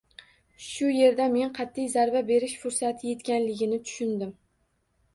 Shu yerda men qatʼiy zarba berish fursati yetganligini tushundim.